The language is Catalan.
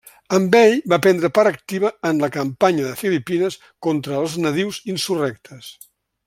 Amb ell va prendre part activa en la Campanya de Filipines contra els nadius insurrectes.